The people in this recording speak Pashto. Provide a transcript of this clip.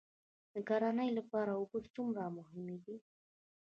د کرنې لپاره اوبه څومره مهمې دي؟